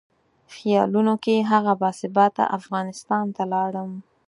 خیالونو کې هغه باثباته افغانستان ته لاړم.